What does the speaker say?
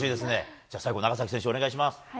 じゃあ、最後、長崎選手お願いします。